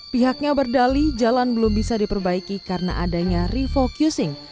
pihaknya berdali jalan belum bisa diperbaiki karena adanya refocusing